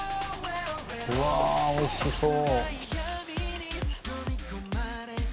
うわ、おいしそう。